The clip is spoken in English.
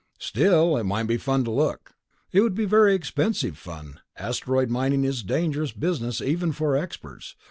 "Still, it might be fun to look." "It could be very expensive fun. Asteroid mining is a dangerous business, even for experts.